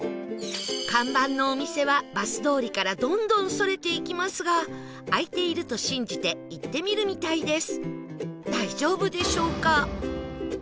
看板のお店はバス通りからどんどんそれていきますが開いていると信じて行ってみるみたいです